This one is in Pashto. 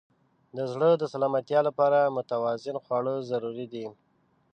د زړه د سلامتیا لپاره متوازن خواړه ضروري دي.